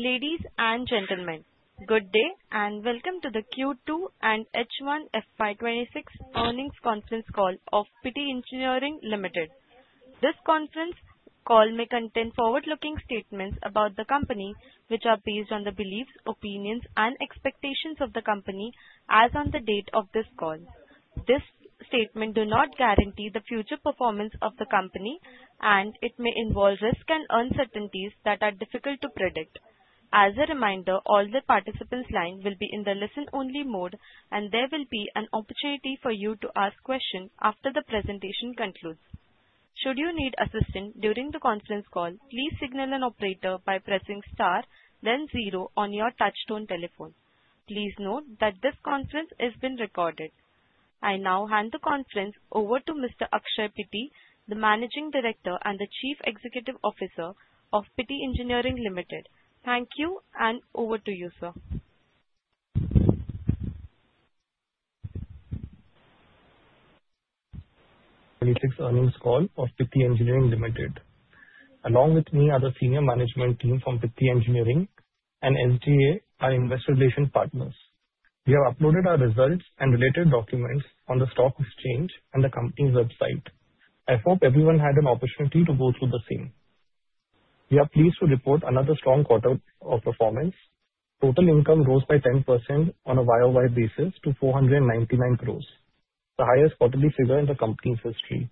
Ladies and gentlemen, good day and welcome to the Q2 and H1 FY 2026 earnings conference call of Pitti Engineering Ltd. This conference call may contain forward-looking statements about the company, which are based on the beliefs, opinions, and expectations of the company as on the date of this call. These statements do not guarantee the future performance of the company, and it may involve risks and uncertainties that are difficult to predict. As a reminder, all the participants' lines will be in the listen-only mode, and there will be an opportunity for you to ask questions after the presentation concludes. Should you need assistance during the conference call, please signal an operator by pressing star then zero on your touch-tone telephone. Please note that this conference is being recorded. I now hand the conference over to Mr. Akshay Pitti, the Managing Director and the Chief Executive Officer of Pitti Engineering Ltd. Thank you, and over to you, sir. 2026 earnings call of Pitti Engineering Ltd. Along with me, I have a senior management team from Pitti Engineering, and SGA, our investor relations partners. We have uploaded our results and related documents on the stock exchange and the company's website. I hope everyone had an opportunity to go through the same. We are pleased to report another strong quarter of performance. Total income rose by 10% on a YoY basis to 499 crore, the highest quarterly figure in the company's history.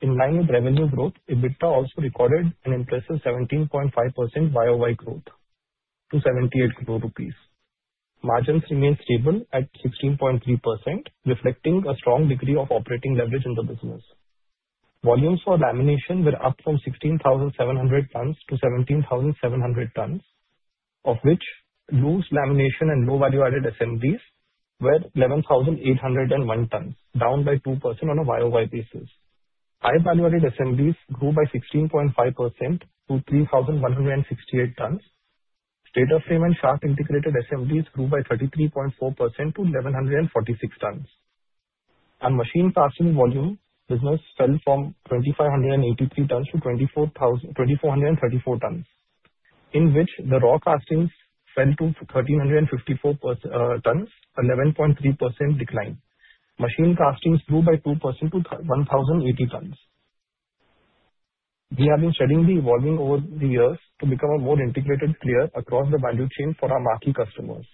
In line with revenue growth, EBITDA also recorded an impressive 17.5% YoY growth to 78 crore rupees. Margins remained stable at 16.3%, reflecting a strong degree of operating leverage in the business. Volumes for lamination were up from 16,700 tons to 17,700 tons, of which loose lamination and low-value-added assemblies were 11,801 tons, down by 2% on a YoY basis. High-value-added assemblies grew by 16.5% to 3,168 tons. State-of-the-art shaft integrated assemblies grew by 33.4% to 1,146 tons. On machine casting volume, business fell from 2,583 tons to 2,434 tons, in which the raw castings fell to 1,354 tons, a 11.3% decline. Machine castings grew by 2% to 1,080 tons. We have been shedding the low-value over the years to become a more integrated player across the value chain for our marquee customers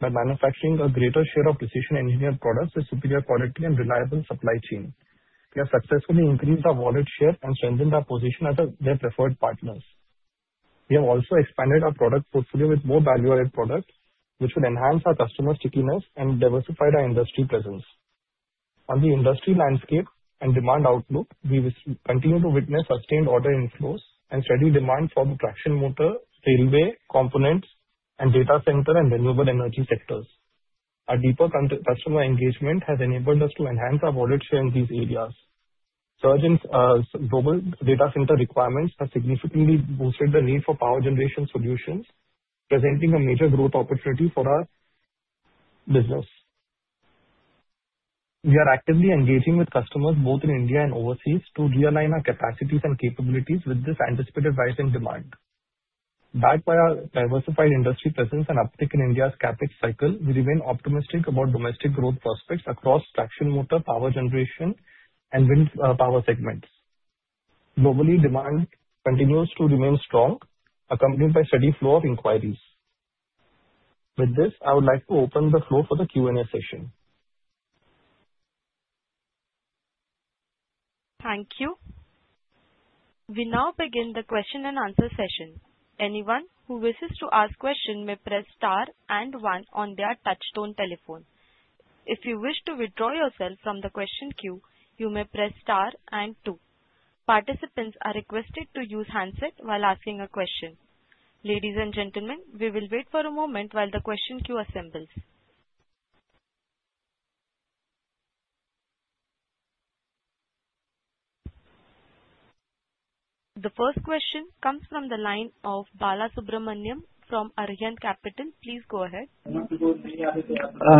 by manufacturing a greater share of precision engineered products with superior quality and reliable supply chain. We have successfully increased our wallet share and strengthened our position as their preferred partners. We have also expanded our product portfolio with more value-added products, which will enhance our customer stickiness and diversify our industry presence. On the industry landscape and demand outlook, we continue to witness sustained order inflows and steady demand for the traction motor, railway components, and data center and renewable energy sectors. Our deeper customer engagement has enabled us to enhance our wallet share in these areas. Surge in global data center requirements has significantly boosted the need for power generation solutions, presenting a major growth opportunity for our business. We are actively engaging with customers both in India and overseas to realign our capacities and capabilities with this anticipated rise in demand. Backed by our diversified industry presence and uptake in India's CapEx cycle, we remain optimistic about domestic growth prospects across traction motor, power generation, and wind power segments. Globally, demand continues to remain strong, accompanied by a steady flow of inquiries. With this, I would like to open the floor for the Q&A session. Thank you. We now begin the question and answer session. Anyone who wishes to ask a question may press star and one on their touch-tone telephone. If you wish to withdraw yourself from the question queue, you may press star and two. Participants are requested to use handset while asking a question. Ladies and gentlemen, we will wait for a moment while the question queue assembles. The first question comes from the line of Balasubramanian from Arihant Capital Markets. Please go ahead.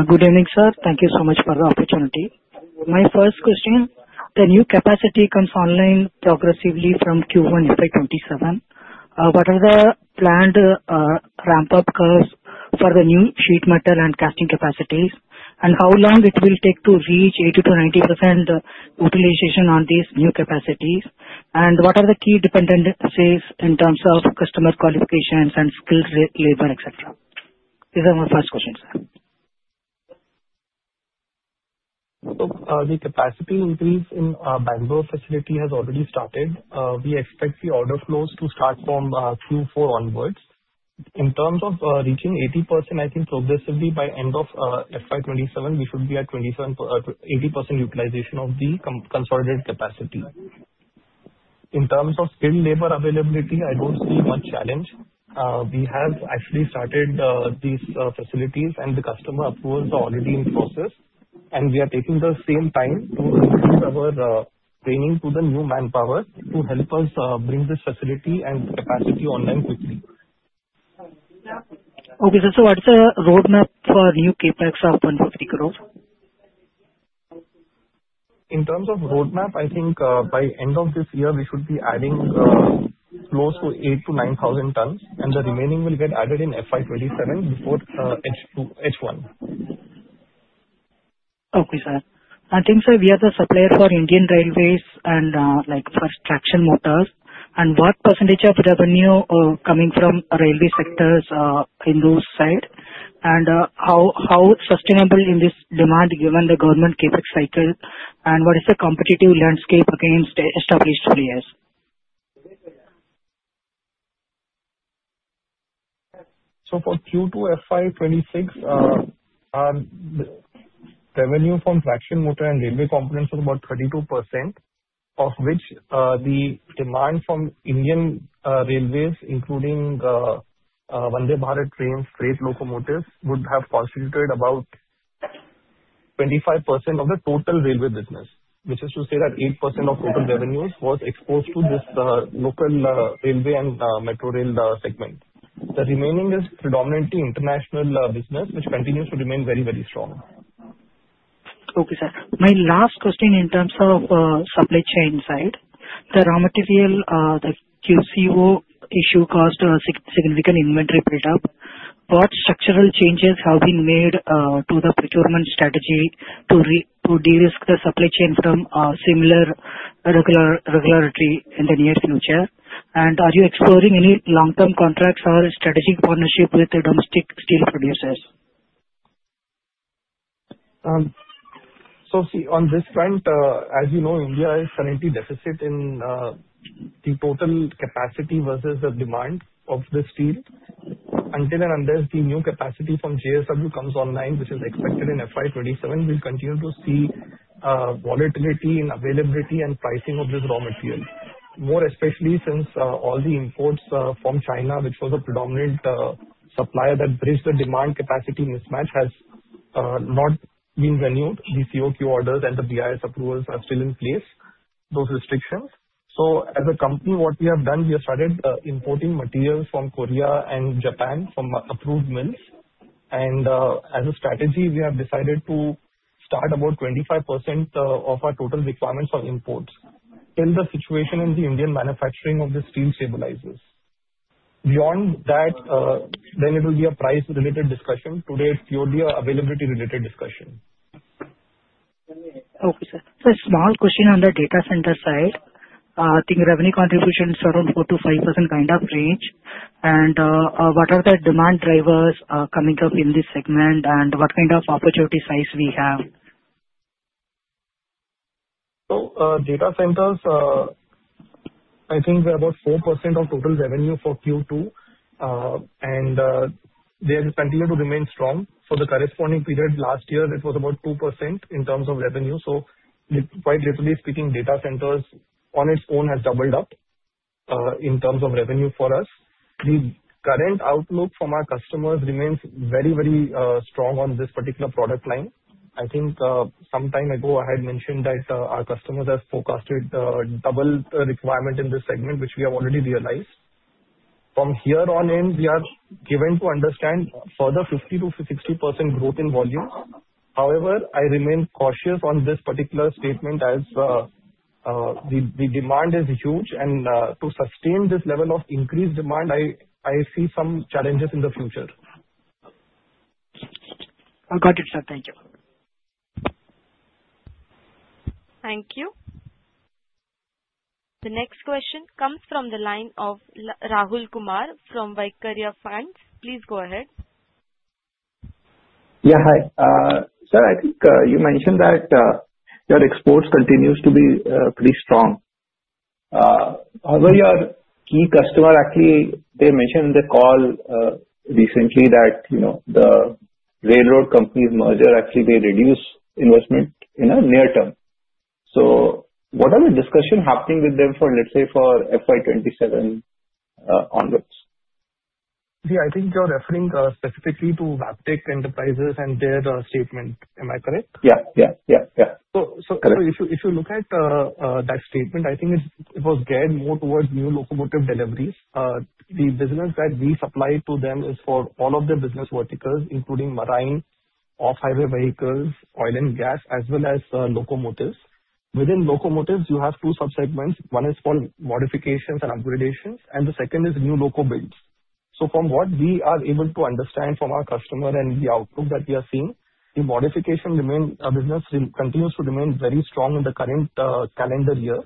Good evening, sir. Thank you so much for the opportunity. My first question: the new capacity comes online progressively from Q1 FY 2027. What are the planned ramp-up curves for the new sheet metal and casting capacities, and how long will it take to reach 80%-90% utilization on these new capacities, and what are the key dependencies in terms of customer qualifications and skilled labor, etc.? These are my first questions, sir. The capacity increase in Bangalore facility has already started. We expect the order flows to start from Q4 onwards. In terms of reaching 80%, I think progressively by the end of FY 2027, we should be at 80% utilization of the consolidated capacity. In terms of skilled labor availability, I don't see much challenge. We have actually started these facilities, and the customer approvals are already in process, and we are taking the same time to transfer our training to the new manpower to help us bring this facility and capacity online quickly. Okay, sir. So what's the roadmap for new CapEx of 150 crores? In terms of roadmap, I think by the end of this year, we should be adding close to 8,000-9,000 tons, and the remaining will get added in FY 2027 before H1. Okay, sir. I think, sir, we are the supplier for Indian Railways and traction motors. And what percentage of revenue is coming from the railway sector in those sites? And how sustainable is this demand given the government CapEx cycle, and what is the competitive landscape against established players? So for Q2 FY 2026, revenue from traction motor and railway components is about 32%, of which the demand from Indian Railways, including the Vande Bharat trains, freight locomotives, would have constituted about 25% of the total railway business, which is to say that 8% of total revenues was exposed to this local railway and metro rail segment. The remaining is predominantly international business, which continues to remain very, very strong. Okay, sir. My last question in terms of the supply chain side. The raw material QCO issue caused a significant inventory build-up. What structural changes have been made to the procurement strategy to de-risk the supply chain from similar regulatory issues in the near future? And are you exploring any long-term contracts or strategic partnerships with domestic steel producers? So on this point, as you know, India is currently deficit in the total capacity versus the demand of the steel. Until and unless the new capacity from JSW comes online, which is expected in FY 2027, we'll continue to see volatility in availability and pricing of this raw material, more especially since all the imports from China, which was a predominant supplier that bridged the demand-capacity mismatch, have not been renewed. The QCO orders and the BIS approvals are still in place, those restrictions. So as a company, what we have done, we have started importing materials from Korea and Japan from approved mills. And as a strategy, we have decided to start about 25% of our total requirements for imports till the situation in the Indian manufacturing of the steel stabilizes. Beyond that, then it will be a price-related discussion. Today, it's purely an availability-related discussion. Okay, sir. So a small question on the data center side. I think revenue contribution is around 4%-5% kind of range. And what are the demand drivers coming up in this segment, and what kind of opportunity size do we have? So data centers, I think, are about 4% of total revenue for Q2, and they have continued to remain strong. For the corresponding period last year, it was about 2% in terms of revenue. So quite literally speaking, data centers on its own have doubled up in terms of revenue for us. The current outlook from our customers remains very, very strong on this particular product line. I think some time ago, I had mentioned that our customers have forecasted double the requirement in this segment, which we have already realized. From here on in, we are given to understand further 50%-60% growth in volumes. However, I remain cautious on this particular statement as the demand is huge, and to sustain this level of increased demand, I see some challenges in the future. Got it, sir. Thank you. Thank you. The next question comes from the line of Rahul Kumar from Vaikarya. Please go ahead. Yeah, hi. Sir, I think you mentioned that your exports continue to be pretty strong. However, your key customer, actually, they mentioned in the call recently that the railroad companies' merger, actually, may reduce investment in the near term. So what are the discussions happening with them for, let's say, for FY 2027 onwards? Yeah, I think you're referring specifically to Wabtec Corporation and their statement. Am I correct? Yeah, yeah, yeah, yeah. So if you look at that statement, I think it was geared more towards new locomotive deliveries. The business that we supply to them is for all of the business verticals, including marine, off-highway vehicles, oil and gas, as well as locomotives. Within locomotives, you have two subsegments. One is called modifications and upgradations, and the second is new loco builds. So from what we are able to understand from our customer and the outlook that we are seeing, the modification business continues to remain very strong in the current calendar year,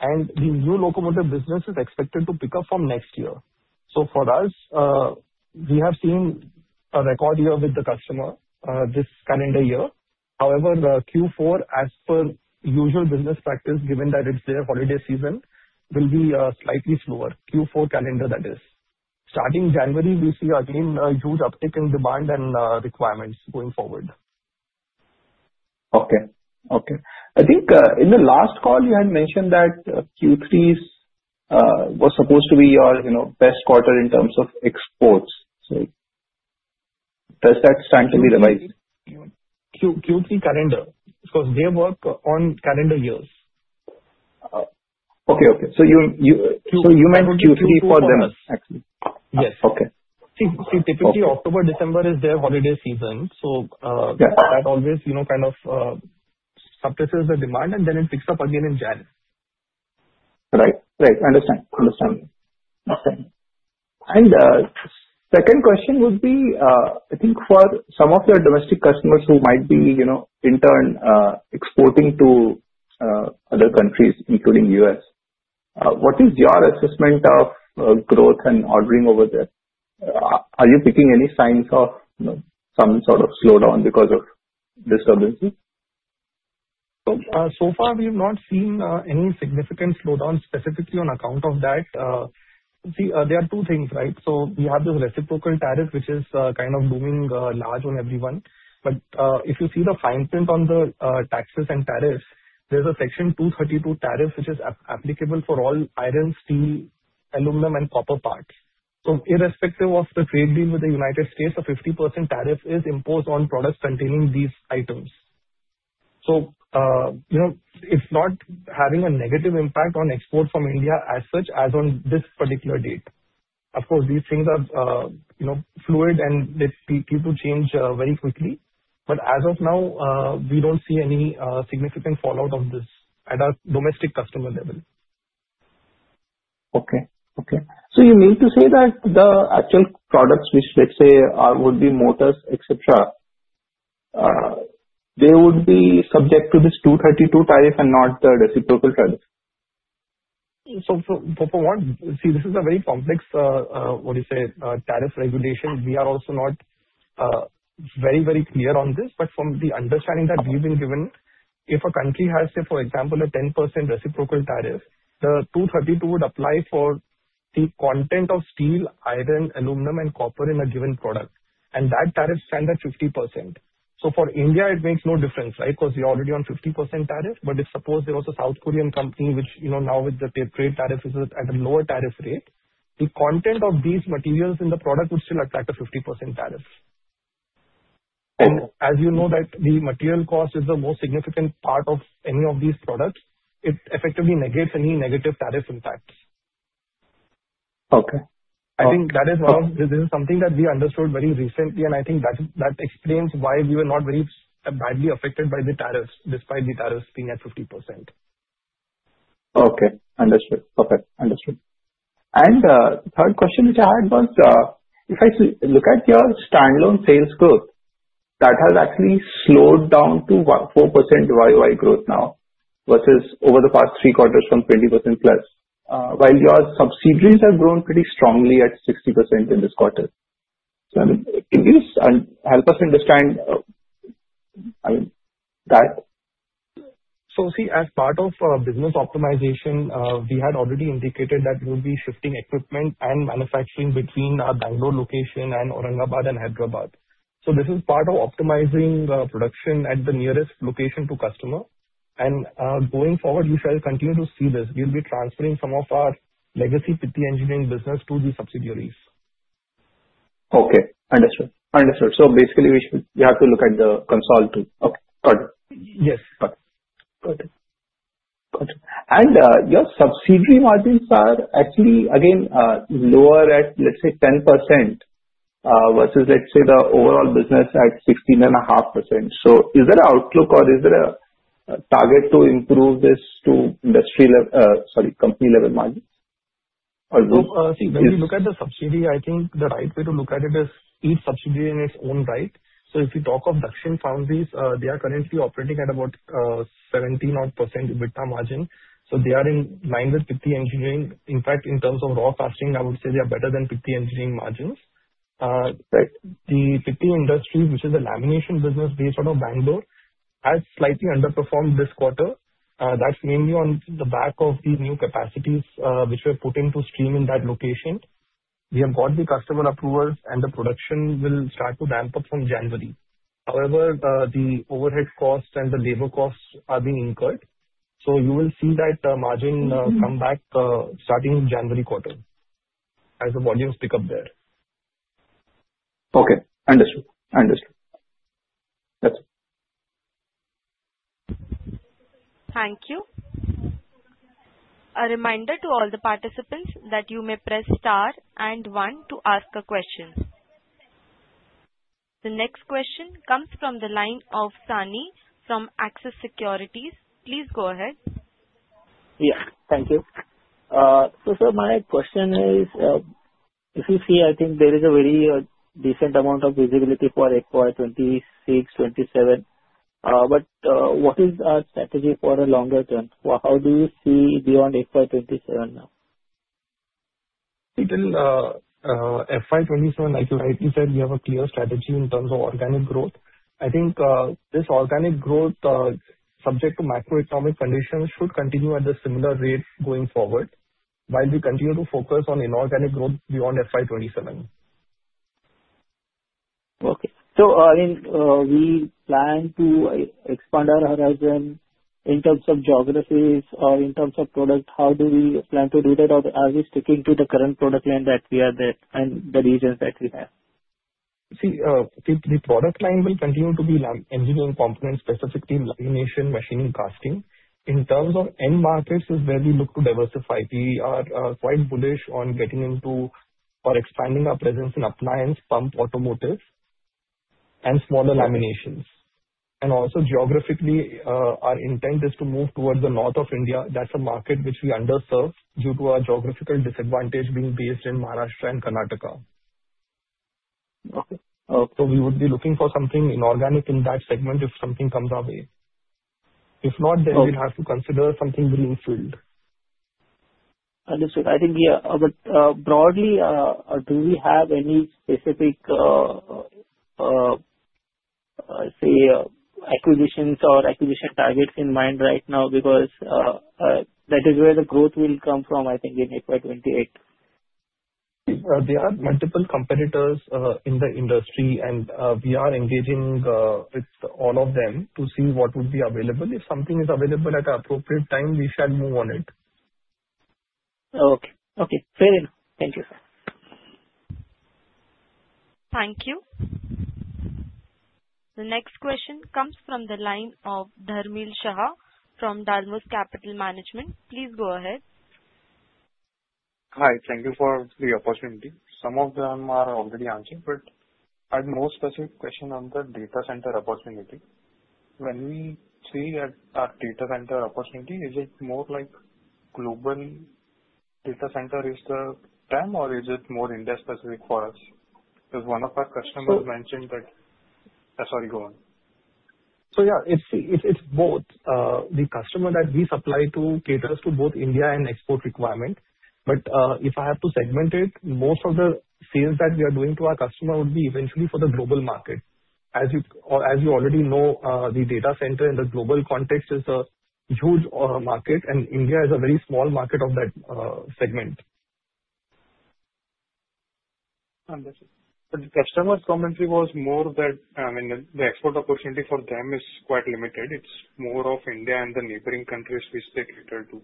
and the new locomotive business is expected to pick up from next year. So for us, we have seen a record year with the customer this calendar year. However, Q4, as per usual business practice, given that it's their holiday season, will be slightly slower. Q4 calendar, that is. Starting January, we see again a huge uptick in demand and requirements going forward. Okay, okay. I think in the last call, you had mentioned that Q3 was supposed to be your best quarter in terms of exports. So does that stand to be revised? Q3 calendar. Because they work on calendar years. Okay, okay. So you meant Q3 for them, actually? Yes. Okay. See, typically, October, December is their holiday season. So that always kind of suppresses the demand, and then it picks up again in January. Right, right. I understand, understand. The second question would be, I think for some of your domestic customers who might be in turn exporting to other countries, including the U.S., what is your assessment of growth and ordering over there? Are you picking any signs of some sort of slowdown because of disturbances? So far, we have not seen any significant slowdown specifically on account of that. See, there are two things, right? So we have this reciprocal tariff, which is kind of looming large on everyone. But if you see the fine print on the taxes and tariffs, there's a Section 232 tariff, which is applicable for all iron, steel, aluminum, and copper parts. So irrespective of the trade deal with the United States, a 50% tariff is imposed on products containing these items. So it's not having a negative impact on exports from India as such as on this particular date. Of course, these things are fluid, and they tend to change very quickly. But as of now, we don't see any significant fallout of this at our domestic customer level. Okay, okay. So you mean to say that the actual products, which, let's say, would be motors, etc., they would be subject to this Section 232 tariff and not the reciprocal tariff? So for what? See, this is a very complex, what do you say, tariff regulation. We are also not very, very clear on this. But from the understanding that we've been given, if a country has, say, for example, a 10% reciprocal tariff, the Section 232 would apply for the content of steel, iron, aluminum, and copper in a given product. And that tariff stands at 50%. So for India, it makes no difference, right? Because we're already on 50% tariff. But suppose there was a South Korean company, which now with the trade tariff is at a lower tariff rate, the content of these materials in the product would still apply to 50% tariff. And as you know, the material cost is the most significant part of any of these products. It effectively negates any negative tariff impacts. Okay. I think that is one of the reasons, something that we understood very recently, and I think that explains why we were not very badly affected by the tariffs, despite the tariffs being at 50%. Okay, understood. Okay, understood. And the third question which I had was, if I look at your standalone sales growth, that has actually slowed down to 4% YoY growth now versus over the past three quarters from 20%+, while your subsidiaries have grown pretty strongly at 60% in this quarter. So can you help us understand that? So see, as part of business optimization, we had already indicated that we would be shifting equipment and manufacturing between our Bangalore location and Aurangabad and Hyderabad. So this is part of optimizing production at the nearest location to customer. And going forward, we shall continue to see this. We'll be transferring some of our legacy Pitti Engineering business to the subsidiaries. Okay, understood. Understood. So basically, we have to look at the consultant. Okay, got it. Yes. Got it. Got it. And your subsidiary margins are actually, again, lower at, let's say, 10% versus, let's say, the overall business at 16.5%. So is there an outlook, or is there a target to improve this to industry level, sorry, company level margins? So see, when we look at the subsidiary, I think the right way to look at it is each subsidiary in its own right. So if you talk of Dakshin Foundry, they are currently operating at about 17% EBITDA margin. So they are in line with Pitti Engineering. In fact, in terms of raw casting, I would say they are better than Pitti Engineering margins. The Pitti Industries, which is a lamination business based out of Bangalore, has slightly underperformed this quarter. That's mainly on the back of the new capacities which we're putting on stream in that location. We have got the customer approvals, and the production will start to ramp up from January. However, the overhead costs and the labor costs are being incurred. So you will see that margin come back starting January quarter as the volumes pick up there. Okay, understood. Understood. Thank you. A reminder to all the participants that you may press star and one to ask a question. The next question comes from the line of Sunny from Axis Securities. Please go ahead. Yeah, thank you. So sir, my question is, if you see, I think there is a very decent amount of visibility for FY 2026, 2027. But what is our strategy for a longer term? How do you see beyond FY 2027 now? See, till FY 2027, like you said, we have a clear strategy in terms of organic growth. I think this organic growth, subject to macroeconomic conditions, should continue at the similar rate going forward while we continue to focus on inorganic growth beyond FY 2027. Okay, so I mean, we plan to expand our horizon in terms of geographies or in terms of product. How do we plan to do that as we stick to the current product line that we are there and the regions that we have? See, the product line will continue to be engineering components, specifically lamination, machining, casting. In terms of end markets, it's where we look to diversify. We are quite bullish on getting into or expanding our presence in appliance, pump, automotive, and smaller laminations. And also, geographically, our intent is to move towards North India. That's a market which we underserve due to our geographical disadvantage being based in Maharashtra and Karnataka. Okay. So we would be looking for something inorganic in that segment if something comes our way. If not, then we'd have to consider something greenfield. Understood. I think, yeah. But broadly, do we have any specific, say, acquisitions or acquisition targets in mind right now? Because that is where the growth will come from, I think, in FY 2028. There are multiple competitors in the industry, and we are engaging with all of them to see what would be available. If something is available at an appropriate time, we shall move on it. Okay, okay. Fair enough. Thank you, sir. Thank you. The next question comes from the line of Dharmil Shah from Dalmus Capital Management. Please go ahead. Hi. Thank you for the opportunity. Some of them are already answered, but I have no specific question on the data center opportunity. When we see our data center opportunity, is it more like global data center is the term, or is it more India-specific for us? Because one of our customers mentioned that - sorry, go on. So yeah, it's both. The customer that we supply to caters to both India and export requirement. But if I have to segment it, most of the sales that we are doing to our customer would be eventually for the global market. As you already know, the data center in the global context is a huge market, and India is a very small market of that segment. Understood. But the customer's commentary was more that, I mean, the export opportunity for them is quite limited. It's more of India and the neighboring countries which they cater to.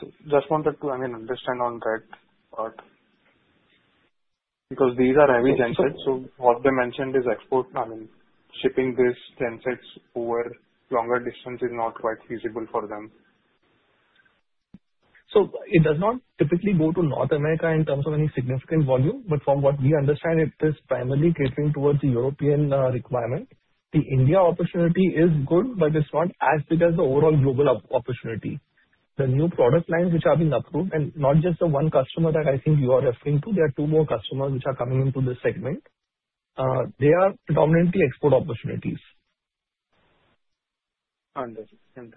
So just wanted to, I mean, understand on that part. Because these are heavy gensets, so what they mentioned is export, I mean, shipping these gensets over longer distances is not quite feasible for them. So it does not typically go to North America in terms of any significant volume. But from what we understand, it is primarily catering towards the European requirement. The India opportunity is good, but it's not as big as the overall global opportunity. The new product lines which are being approved, and not just the one customer that I think you are referring to, there are two more customers which are coming into this segment. They are predominantly export opportunities. Understood.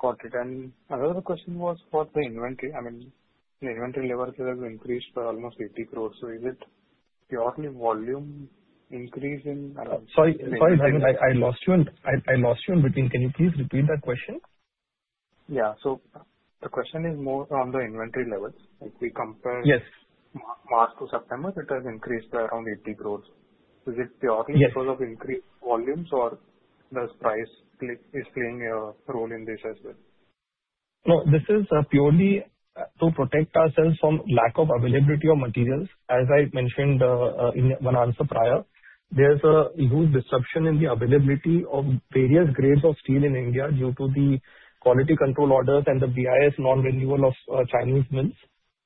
Got it. And another question was for the inventory. I mean, the inventory levels have increased by almost 80 crore. So is it purely volume increase in? Sorry, sorry, I lost you. I lost you in between. Can you please repeat that question? Yeah. So the question is more on the inventory levels. If we compare March to September, it has increased by around 80 crore. Is it purely because of increased volumes, or does price play a role in this as well? No, this is purely to protect ourselves from lack of availability of materials. As I mentioned in one answer prior, there's a huge disruption in the availability of various grades of steel in India due to the quality control orders and the BIS non-renewal of Chinese mills.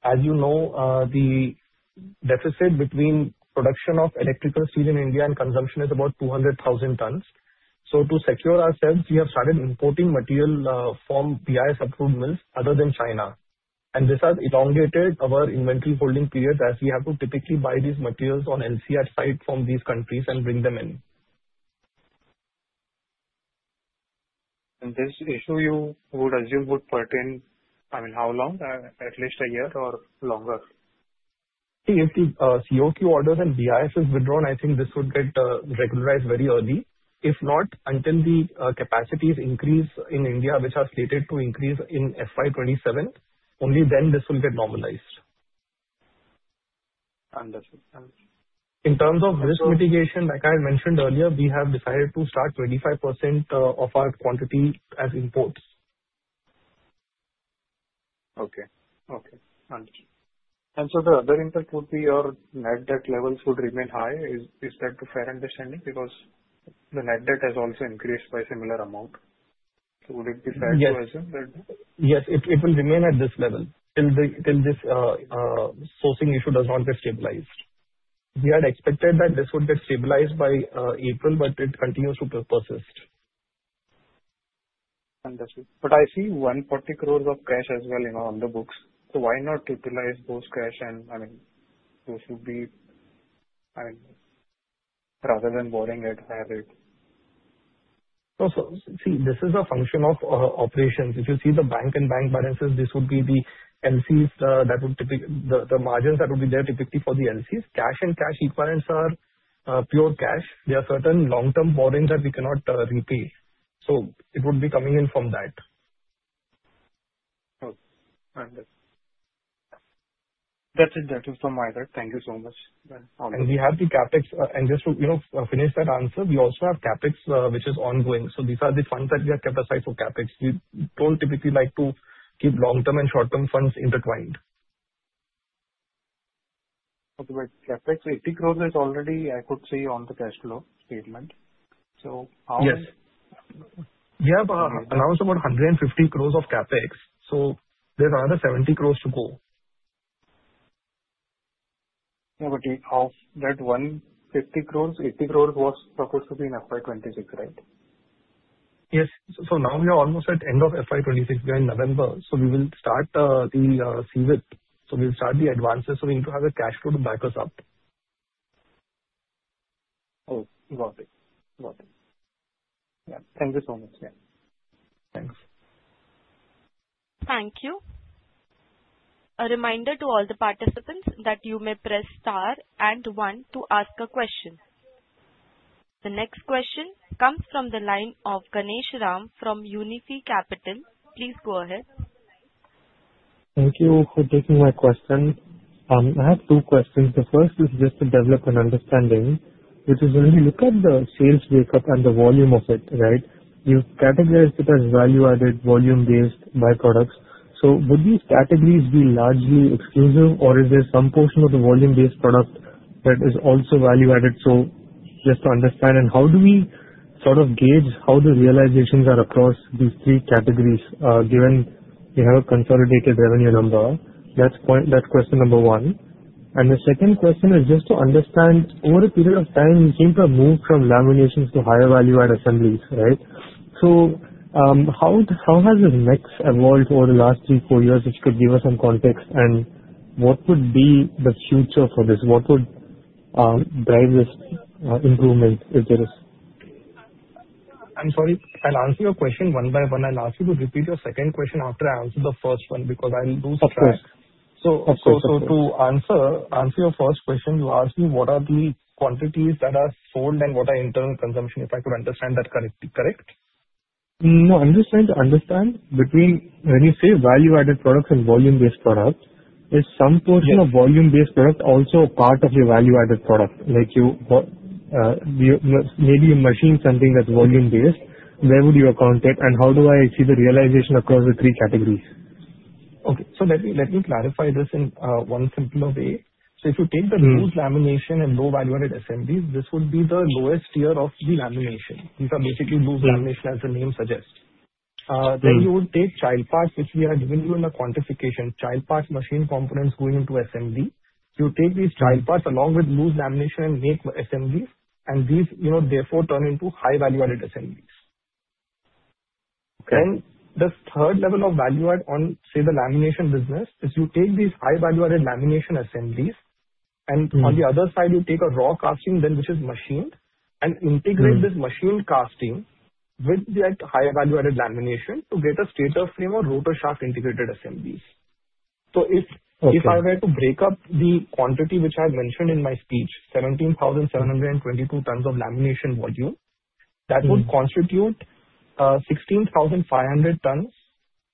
As you know, the deficit between production of electrical steel in India and consumption is about 200,000 tons. So to secure ourselves, we have started importing material from BIS-approved mills other than China, and this has elongated our inventory holding period as we have to typically buy these materials on LC at sight from these countries and bring them in. And this issue you would assume would pertain, I mean, how long? At least a year or longer? See, if the QCO orders and BIS is withdrawn, I think this would get regularized very early. If not, until the capacities increase in India, which are slated to increase in FY 2027, only then this will get normalized. Understood. Understood. In terms of risk mitigation, like I had mentioned earlier, we have decided to start 25% of our quantity as imports. Okay. Understood. And so the other impact would be your net debt levels would remain high. Is that a fair understanding? Because the net debt has also increased by a similar amount. So would it be fair to assume that? Yes. It will remain at this level till this sourcing issue does not get stabilized. We had expected that this would get stabilized by April, but it continues to persist. Understood. But I see 140 crore of cash as well on the books. So why not utilize those cash? And I mean, those would be, I mean, rather than borrowing it, have it. So see, this is a function of operations. If you see the bank and bank balances, this would be the LCs that would typically, the margins that would be there typically for the LCs. Cash and cash equivalents are pure cash. There are certain long-term borrowings that we cannot repay. So it would be coming in from that. Okay. Understood. That's it. That is from my side. Thank you so much. And we have the CapEx, and just to finish that answer, we also have CapEx, which is ongoing, so these are the funds that we have kept aside for CapEx. We don't typically like to keep long-term and short-term funds intertwined. Okay. But CapEx, 80 crore is already, I could see, on the cash flow statement. So how is? Yes. We have announced about 150 crore of CapEx. So there's another 70 crore to go. Yeah, but of that 150 crore, 80 crore was supposed to be in FY 2026, right? Yes, so now we are almost at the end of FY 2026. We are in November, so we will start the CapEx, so we'll start the advances, so we need to have a cash flow to back us up. Okay. Got it. Got it. Yeah. Thank you so much. Yeah. Thanks. Thank you. A reminder to all the participants that you may press star and one to ask a question. The next question comes from the line of Ganeshram from Unifi Capital. Please go ahead. Thank you for taking my question. I have two questions. The first is just to develop an understanding, which is when we look at the sales break-up and the volume of it, right, you've categorized it as value-added, volume-based by products. So would these categories be largely exclusive, or is there some portion of the volume-based product that is also value-added? So just to understand, and how do we sort of gauge how the realizations are across these three categories given we have a consolidated revenue number? That's question number one. And the second question is just to understand, over a period of time, we seem to have moved from laminations to higher value-add assemblies, right? So how has this mix evolved over the last three, four years, if you could give us some context? And what would be the future for this? What would drive this improvement, if there is? I'm sorry. I'll answer your question one by one. I'll ask you to repeat your second question after I answer the first one because I'll lose track. Of course. Of course. To answer your first question, you asked me what are the quantities that are sold and what are internal consumption, if I could understand that correctly. Correct? No. Understand, understand. When you say value-added products and volume-based products, is some portion of volume-based product also a part of your value-added product? Maybe you machine something that's volume-based. Where would you account it? And how do I see the realization across the three categories? Okay. Let me clarify this in one simpler way. If you take the loose lamination and low value-added assemblies, this would be the lowest tier of the lamination. These are basically loose lamination, as the name suggests. Then you would take child parts, which we are giving you in the quantification, child parts machine components going into assembly. You take these child parts along with loose lamination and make assemblies, and these therefore turn into high value-added assemblies. Then, the third level of value-add on, say, the lamination business, is you take these high value-added lamination assemblies, and on the other side, you take a raw casting, then which is machined, and integrate this machined casting with that high value-added lamination to get a stator frame or rotor shaft integrated assemblies. So if I were to break up the quantity which I had mentioned in my speech, 17,722 tons of lamination volume, that would constitute 16,500 tons,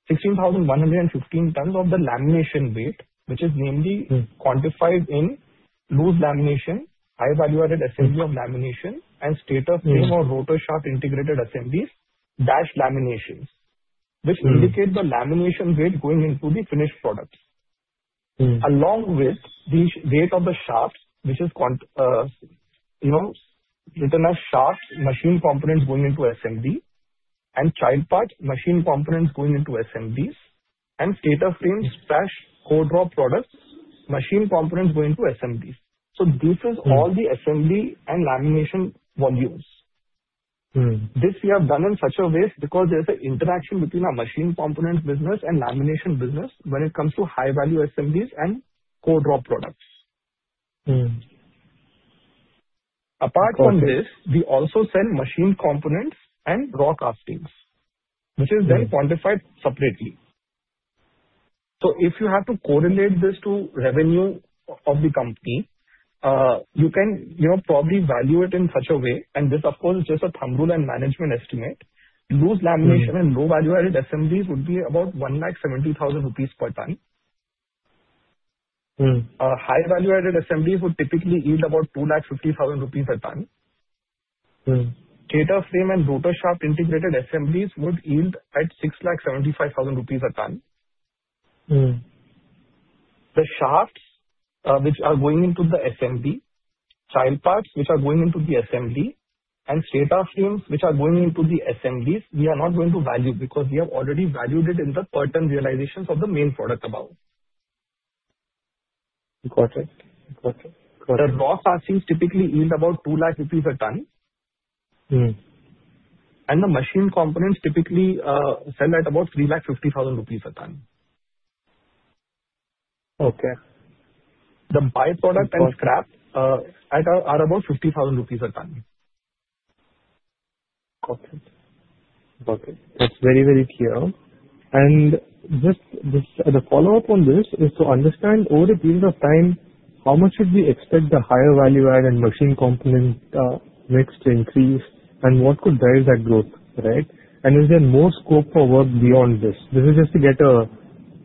16,115 tons of the lamination weight, which is namely quantified in loose lamination, high-value-added assembly of lamination, and stator frame or rotor shaft integrated assemblies, laminations, which indicate the lamination weight going into the finished products, along with the weight of the shaft, which is written as shaft machined components going into assembly, and child part machined components going into assemblies, and stator frame/cold drop products machined components going into assemblies. So this is all the assembly and lamination volumes. This we have done in such a way because there's an interaction between our machine components business and lamination business when it comes to high-value assemblies and core drop products. Apart from this, we also sell machined components and raw castings, which is then quantified separately. If you have to correlate this to revenue of the company, you can probably value it in such a way. This, of course, is just a thumb rule and management estimate. Loose lamination and low-value-added assemblies would be about 170,000 rupees per ton. High-value-added assemblies would typically yield about 250,000 rupees a ton. Stator frame and rotor shaft integrated assemblies would yield at 675,000 rupees a ton. The shafts which are going into the assembly, child parts which are going into the assembly, and stator frames which are going into the assemblies, we are not going to value because we have already valued it in the per ton realizations of the main product amount. Got it. Got it. Got it. The raw castings typically yield about 200,000 rupees a ton, and the machined components typically sell at about 350,000 rupees a ton. Okay. The byproduct and scrap are about INR 50,000 a ton. Got it. Got it. That's very, very clear. And the follow-up on this is to understand over a period of time, how much should we expect the higher value-added machine component mix to increase, and what could drive that growth, right? And is there more scope for work beyond this? This is just to get a,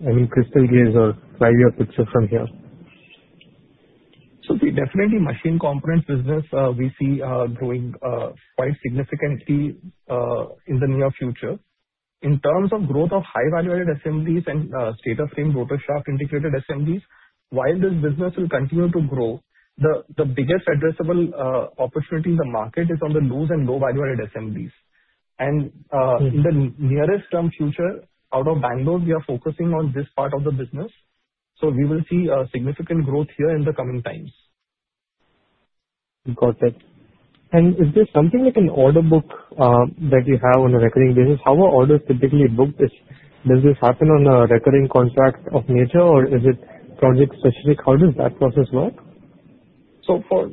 I mean, crystal gazing or clarity of picture from here. So definitely, machine component business, we see growing quite significantly in the near future. In terms of growth of high-value-added assemblies and stator frame rotor shaft integrated assemblies, while this business will continue to grow, the biggest addressable opportunity in the market is on the loose and low-value-added assemblies. And in the nearest term future, out of Bangalore, we are focusing on this part of the business. So we will see significant growth here in the coming times. Got it. And is there something like an order book that you have on a recurring basis? How are orders typically booked? Does this happen on a recurring contract of nature, or is it project specific? How does that process work? For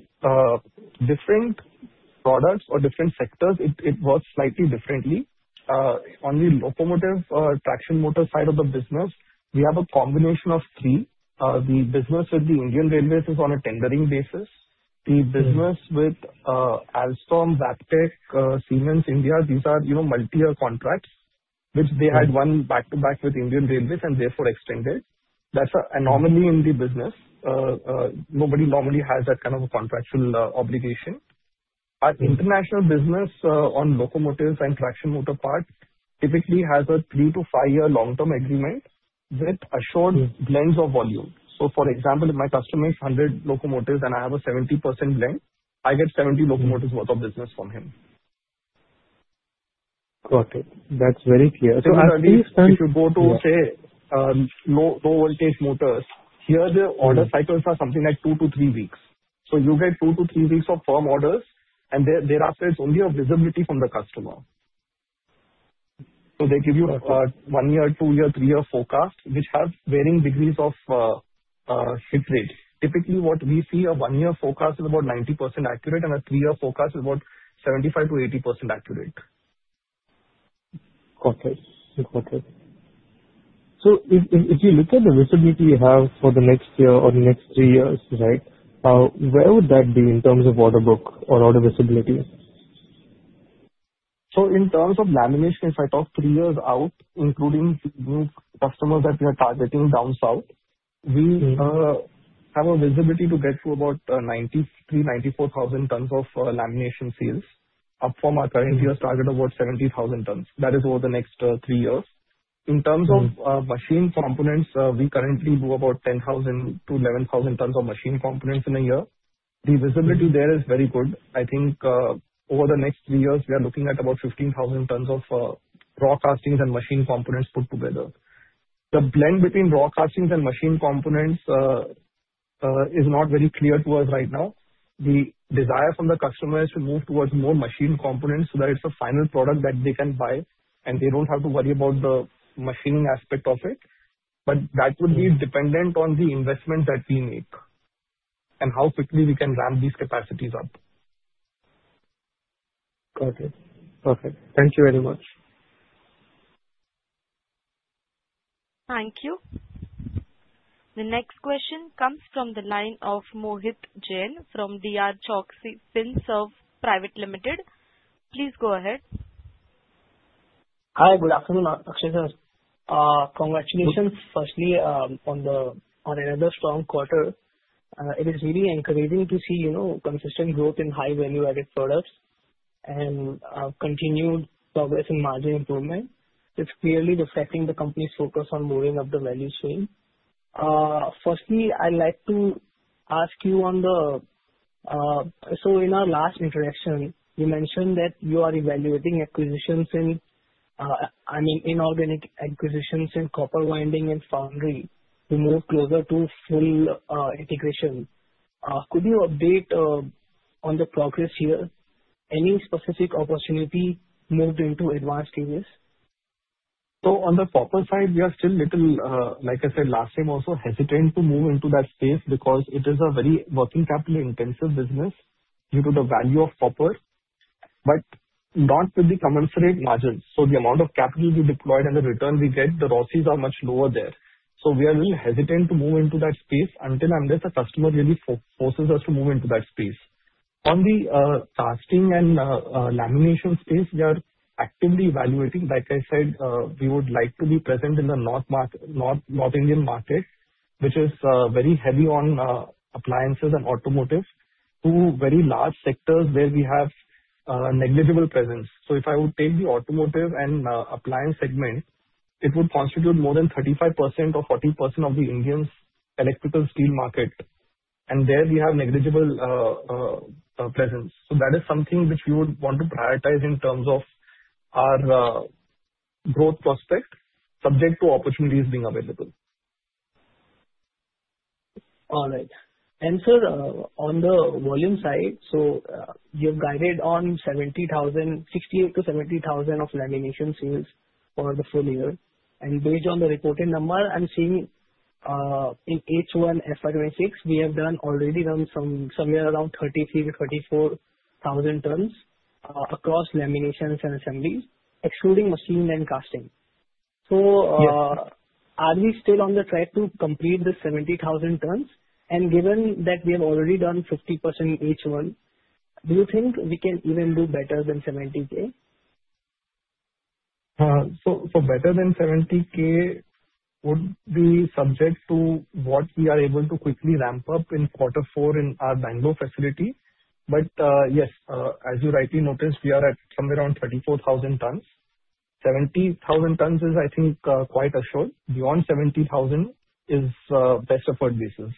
different products or different sectors, it works slightly differently. On the locomotive or traction motor side of the business, we have a combination of three. The business with the Indian Railways is on a tendering basis. The business with Alstom, Wabtec, Siemens India, these are multi-year contracts, which they had won back-to-back with Indian Railways and therefore extended. That's an anomaly in the business. Nobody normally has that kind of a contractual obligation. But international business on locomotives and traction motor parts typically has a three- to five-year long-term agreement with assured blends of volume. So for example, if my customer makes 100 locomotives and I have a 70% blend, I get 70 locomotives worth of business from him. Got it. That's very clear. So at least if you go to, say, low voltage motors, here the order cycles are something like two to three weeks. So you get two to three weeks of firm orders, and thereafter, it's only a visibility from the customer. So they give you a one-year, two-year, three-year forecast, which has varying degrees of hit rate. Typically, what we see, a one-year forecast is about 90% accurate, and a three-year forecast is about 75%-80% accurate. Got it. Got it. So if you look at the visibility you have for the next year or the next three years, right, where would that be in terms of order book or order visibility? So in terms of lamination, if I talk three years out, including customers that we are targeting down south, we have a visibility to get to about 93,000-94,000 tons of lamination sales, up from our current year's target of about 70,000 tons. That is over the next three years. In terms of machined components, we currently do about 10,000-11,000 tons of machined components in a year. The visibility there is very good. I think over the next three years, we are looking at about 15,000 tons of raw castings and machined components put together. The blend between raw castings and machined components is not very clear to us right now. The desire from the customer is to move towards more machined components so that it's a final product that they can buy, and they don't have to worry about the machining aspect of it. But that would be dependent on the investment that we make and how quickly we can ramp these capacities up. Got it. Perfect. Thank you very much. Thank you. The next question comes from the line of Mohit Jain from Choice Finserv Private Limited. Please go ahead. Hi. Good afternoon, Akshay. Congratulations, firstly, on another strong quarter. It is really encouraging to see consistent growth in high value-added products and continued progress in margin improvement. It's clearly reflecting the company's focus on moving up the value chain. Firstly, I'd like to ask you on the so in our last interaction, you mentioned that you are evaluating acquisitions in, I mean, inorganic acquisitions in copper winding and foundry to move closer to full integration. Could you update on the progress here? Any specific opportunity moved into advanced stages? So on the copper side, we are still a little, like I said last time also, hesitant to move into that space because it is a very working capital intensive business due to the value of copper, but not with the commensurate margins. So the amount of capital we deployed and the return we get, the ROCs are much lower there. So we are a little hesitant to move into that space until unless a customer really forces us to move into that space. On the casting and lamination space, we are actively evaluating. Like I said, we would like to be present in the North India market, which is very heavy on appliances and automotive, two very large sectors where we have negligible presence. So if I would take the automotive and appliance segment, it would constitute more than 35% or 40% of India's electrical steel market. And there we have negligible presence, so that is something which we would want to prioritize in terms of our growth prospect, subject to opportunities being available. All right. And sir, on the volume side, so you've guided on 60,000-70,000 of lamination sales for the full year. And based on the reported number, I'm seeing in H1 FY 2026, we have already done somewhere around 33,000-34,000 tons across laminations and assemblies, excluding machined and casting. So are we still on the track to complete the 70,000 tons? And given that we have already done 50% H1, do you think we can even do better than 70K? So better than 70K would be subject to what we are able to quickly ramp up in quarter four in our Bangalore facility. But yes, as you rightly noticed, we are at somewhere around 34,000 tons. 70,000 tons is, I think, quite assured. Beyond 70,000 is best offered basis.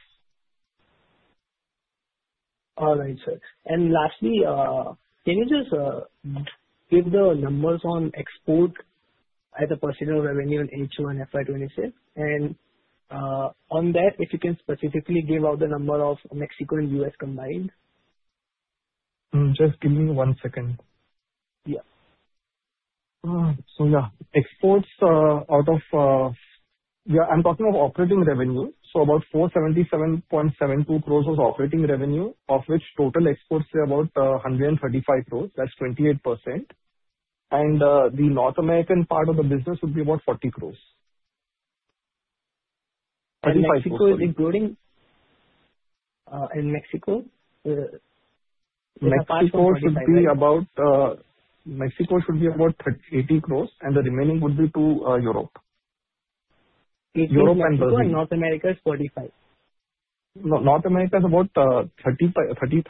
All right, sir. And lastly, can you just give the numbers on export as a % of revenue in H1 FY 2026? And on that, if you can specifically give out the number of Mexico and U.S. combined. Just give me one second. Yeah. Yeah, exports. I'm talking about operating revenue. About 477.72 crore was operating revenue, of which total exports were about 135 crore. That's 28%. The North American part of the business would be about 40 crore. Mexico is including? In Mexico, the exports would be about 80 crore, and the remaining would be to Europe. INR 80 crore in North America is 45 crore. North America is about 30%-35%.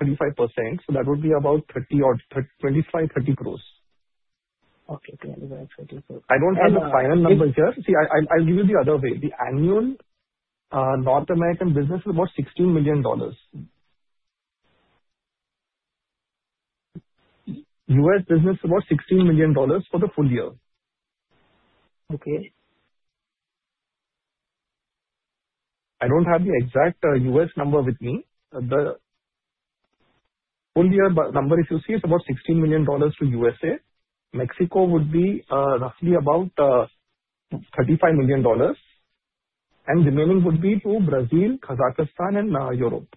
So that would be about 25 crore-30 crore. Okay. 25 crore-30 crore. I don't have the final number here. See, I'll give you the other way. The annual North American business is about $16 million. U.S. business is about $16 million for the full year. Okay. I don't have the exact U.S. number with me. The full year number, if you see, it's about $16 million to U.S.A. Mexico would be roughly about $35 million, and remaining would be to Brazil, Kazakhstan, and Europe.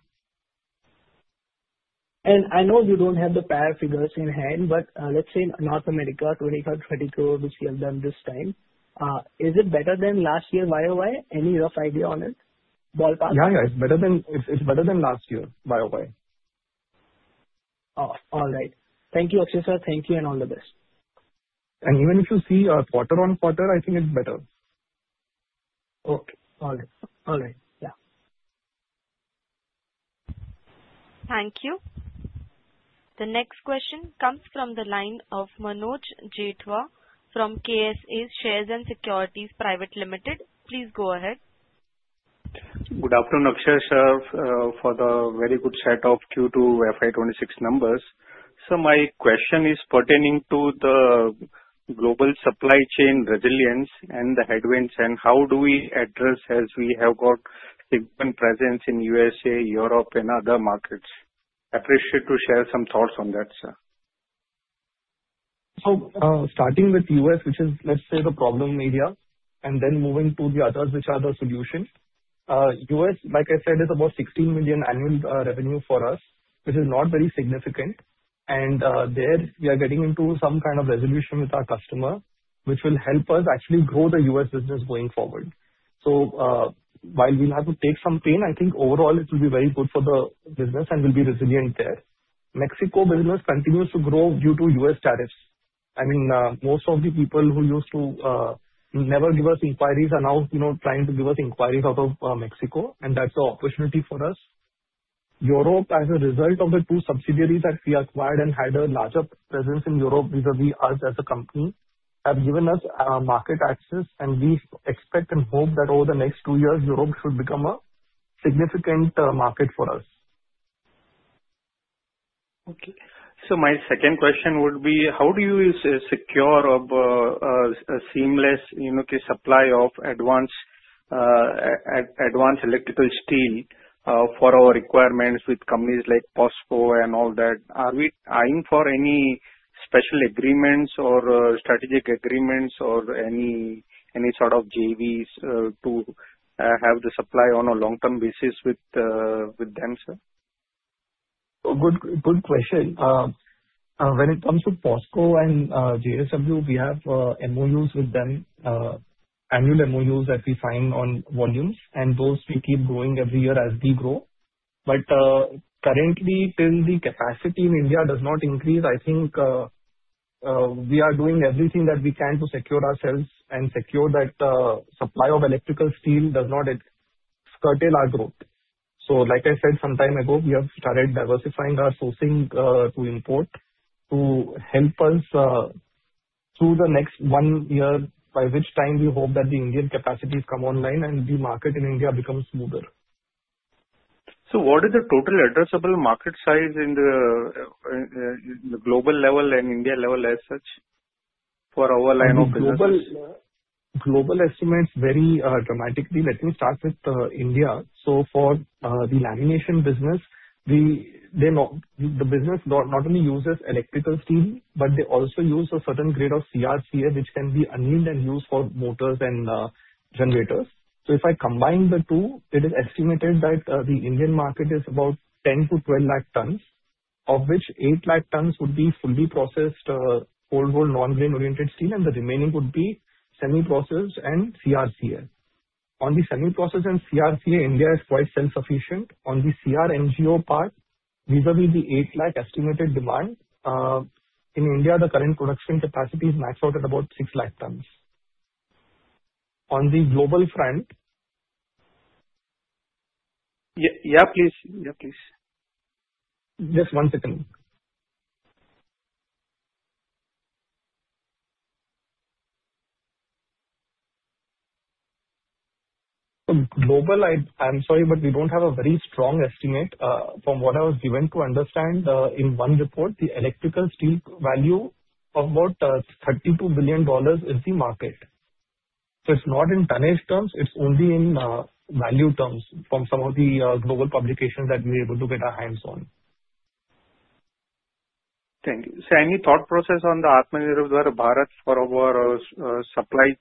I know you don't have the prior figures in hand, but let's say North America, 25 crore-30 crore which you have done this time. Is it better than last year YoY? Any rough idea on it? Ballpark? Yeah, yeah. It's better than last year YoY. All right. Thank you, Akshay. Thank you, and all the best. Even if you see quarter-on-quarter, I think it's better. Okay. All right. Yeah. Thank you. The next question comes from the line of Manoj Jethwa from KSA Shares and Securities Private Ltd. Please go ahead. Good afternoon, Akshay. For the very good set of Q2 FY 2026 numbers. So my question is pertaining to the global supply chain resilience and the headwinds, and how do we address as we have got significant presence in U.S.A, Europe, and other markets? Appreciate to share some thoughts on that, sir. So starting with U.S., which is, let's say, the problem area, and then moving to the others which are the solutions. U.S., like I said, is about $16 million annual revenue for us, which is not very significant. And there we are getting into some kind of resolution with our customer, which will help us actually grow the U.S. business going forward. So while we'll have to take some pain, I think overall it will be very good for the business and will be resilient there. Mexico business continues to grow due to U.S. tariffs. I mean, most of the people who used to never give us inquiries are now trying to give us inquiries out of Mexico, and that's an opportunity for us. Europe, as a result of the two subsidiaries that we acquired and had a larger presence in Europe vis-à-vis us as a company, have given us market access, and we expect and hope that over the next two years, Europe should become a significant market for us. Okay. So my second question would be, how do you secure a seamless supply of advanced electrical steel for our requirements with companies like POSCO and all that? Are we eyeing for any special agreements or strategic agreements or any sort of JVs to have the supply on a long-term basis with them, sir? Good question. When it comes to POSCO and JSW, we have MOUs with them, annual MOUs that we sign on volumes, and those we keep growing every year as we grow. But currently, till the capacity in India does not increase, I think we are doing everything that we can to secure ourselves and secure that supply of electrical steel does not curtail our growth. So like I said some time ago, we have started diversifying our sourcing to import to help us through the next one year, by which time we hope that the Indian capacity has come online and the market in India becomes smoother. So what is the total addressable market size in the global level and India level as such for our line of business? Global estimates vary dramatically. Let me start with India. So for the lamination business, the business not only uses electrical steel, but they also use a certain grade of CRCA, which can be unannealed and used for motors and generators. So if I combine the two, it is estimated that the Indian market is about 10 lakh-12 lakh tons, of which 8 lakh tons would be fully processed Cold Rolled non-grain oriented steel, and the remaining would be semi-processed and CRCA. On the semi-processed and CRCA, India is quite self-sufficient. On the CRNGO part, vis-à-vis the 8 lakh estimated demand, in India, the current production capacity is maxed out at about 6 lakh tons. On the global front. Yeah, please. Yeah, please. Just one second. Globally, I'm sorry, but we don't have a very strong estimate. From what I was given to understand in one report, the electrical steel value of about $32 billion is the market, so it's not in tonnage terms. It's only in value terms from some of the global publications that we are able to get our hands on. Thank you. So any thought process on the Atmanirbhar Bharat for our supply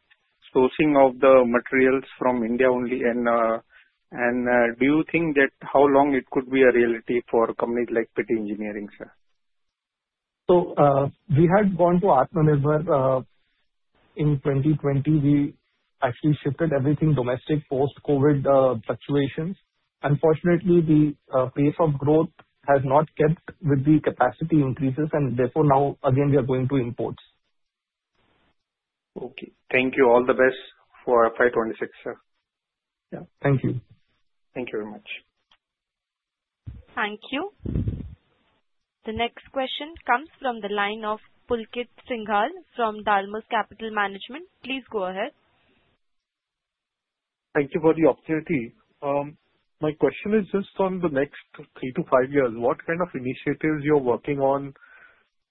sourcing of the materials from India only? And do you think that how long it could be a reality for companies like Pitti Engineering, sir? So we had gone to Atmanirbhar Bharat in 2020. We actually shifted everything domestic post-COVID fluctuations. Unfortunately, the pace of growth has not kept with the capacity increases, and therefore now, again, we are going to imports. Okay. Thank you. All the best for FY 2026, sir. Yeah. Thank you. Thank you very much. Thank you. The next question comes from the line of Pulkit Singhal from Dalmus Capital Management. Please go ahead. Thank you for the opportunity. My question is just on the next three to five years, what kind of initiatives you're working on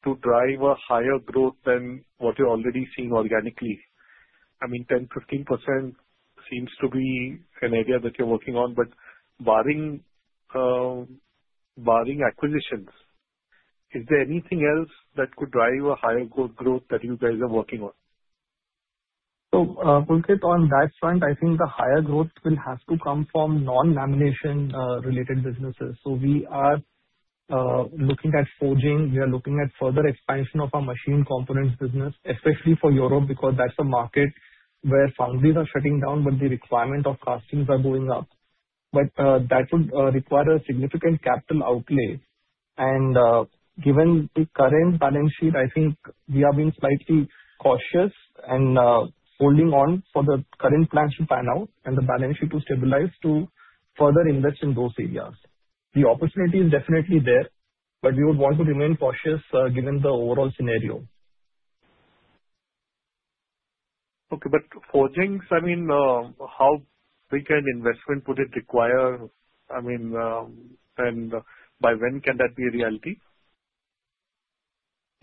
to drive a higher growth than what you're already seeing organically? I mean, 10%-15% seems to be an area that you're working on, but barring acquisitions, is there anything else that could drive a higher growth that you guys are working on? So Pulkit, on that front, I think the higher growth will have to come from non-lamination related businesses. So we are looking at forging. We are looking at further expansion of our machine components business, especially for Europe because that's a market where foundries are shutting down, but the requirement of castings are going up. But that would require a significant capital outlay. And given the current balance sheet, I think we have been slightly cautious and holding on for the current plan to pan out and the balance sheet to stabilize to further invest in those areas. The opportunity is definitely there, but we would want to remain cautious given the overall scenario. Okay. But forging, I mean, how big an investment would it require? I mean, and by when can that be a reality?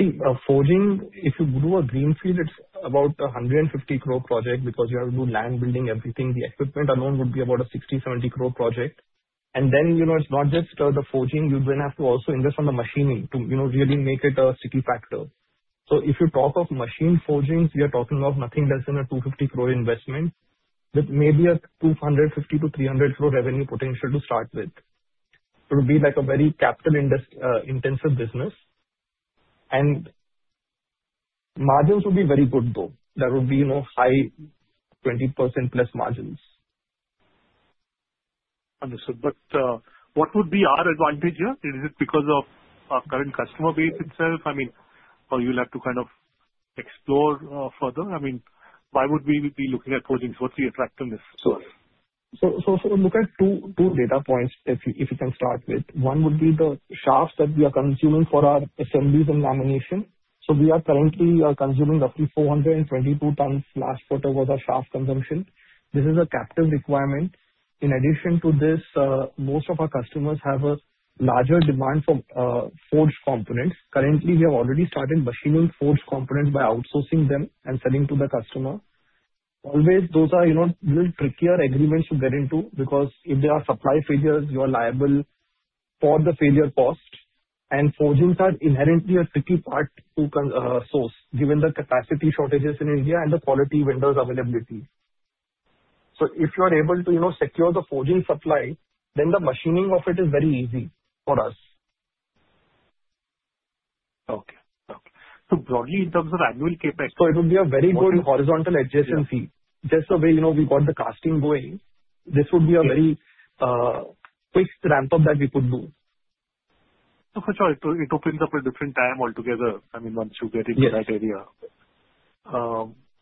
I think forging, if you do a greenfield, it's about 150 crore project because you have to do land building, everything. The equipment alone would be about a 60 crore-70 crore project. And then it's not just the forging. You then have to also invest on the machining to really make it a sticky factor. So if you talk of machine forging, we are talking of nothing less than a 250 crore investment with maybe a 250 crore-300 crore revenue potential to start with. It would be like a very capital-intensive business. And margins would be very good, though. There would be high 20%+ margins. Understood. But what would be our advantage here? Is it because of our current customer base itself? I mean, or you'll have to kind of explore further? I mean, why would we be looking at forging? What's the attractiveness? Sure. So look at two data points, if you can start with. One would be the shafts that we are consuming for our assemblies and lamination. So we are currently consuming roughly 422 tons. Last quarter was our shaft consumption. This is a captive requirement. In addition to this, most of our customers have a larger demand for forged components. Currently, we have already started machining forged components by outsourcing them and selling to the customer. Always, those are a little trickier agreements to get into because if there are supply failures, you are liable for the failure cost. And forging is inherently a tricky part to source, given the capacity shortages in India and the quality vendors' availability. So if you are able to secure the forging supply, then the machining of it is very easy for us. Okay. So broadly, in terms of annual. So it would be a very good horizontal adjacency. Just the way we got the casting going, this would be a very quick ramp-up that we could do. Okay. So it opens up a different time altogether, I mean, once you get into that area.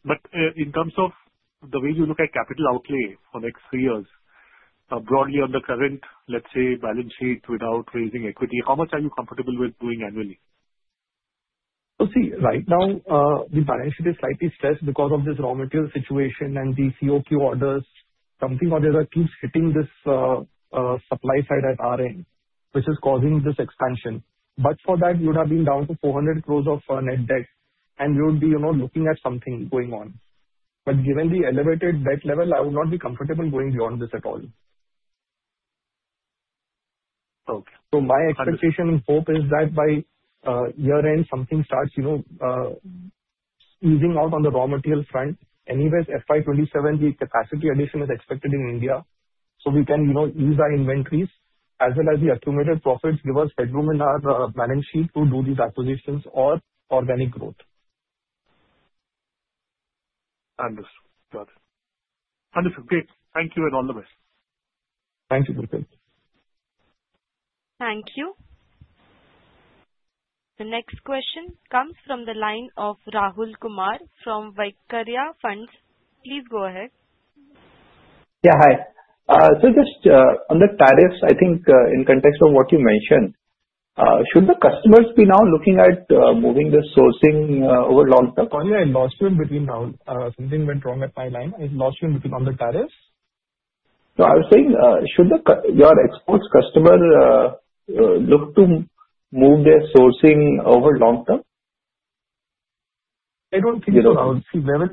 But in terms of the way you look at capital outlay for the next three years, broadly on the current, let's say, balance sheet without raising equity, how much are you comfortable with doing annually? See, right now, the balance sheet is slightly stressed because of this raw material situation and the QCO orders. Something or the other keeps hitting this supply side at our end, which is causing this expansion. But for that, we would have been down to 400 crore of net debt, and we would be looking at something going on. But given the elevated debt level, I would not be comfortable going beyond this at all. Okay. So my expectation and hope is that by year-end, something starts easing out on the raw material front. Anyways, FY 2027, the capacity addition is expected in India. So we can ease our inventories as well as the accumulated profits give us headroom in our balance sheet to do these acquisitions or organic growth. Understood. Got it. Understood. Great. Thank you and all the best. Thank you, Pulkit. Thank you. The next question comes from the line of Rahul Kumar from Vaikarya. Please go ahead. Yeah, hi. So just on the tariffs, I think in context of what you mentioned, should the customers be now looking at moving the sourcing over long-term? Sorry, I lost you in between now. Something went wrong at my line. I lost you in between on the tariffs. So I was saying, should your exports customer look to move their sourcing over long-term? I don't think so. I would see where will